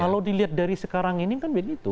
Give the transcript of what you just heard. kalau dilihat dari sekarang ini kan begitu